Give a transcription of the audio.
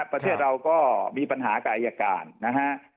ประเทศเราก็มีปัญหากับอายการนะฮะ